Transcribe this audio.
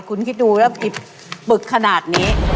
คุณคิดดูแล้วมีปึกขนาดนี้